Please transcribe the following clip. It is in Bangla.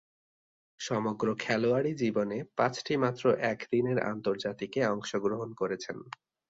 সমগ্র খেলোয়াড়ী জীবনে পাঁচটিমাত্র একদিনের আন্তর্জাতিকে অংশগ্রহণ করেছেন।